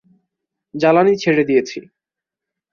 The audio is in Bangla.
জ্বালানি ছেড়ে দিয়েছি।